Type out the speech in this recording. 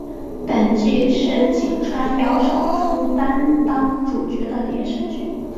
本剧是井川遥首出担当主角的电视剧。